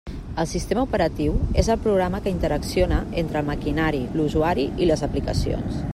El sistema operatiu és el programa que interacciona entre el maquinari, l'usuari i les aplicacions.